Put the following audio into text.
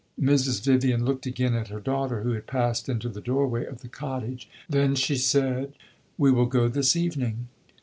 Mrs. Vivian looked again at her daughter, who had passed into the door way of the cottage; then she said "We will go this evening."